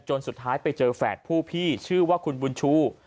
สุดท้ายไปเจอแฝดผู้พี่ชื่อว่าคุณบุญชู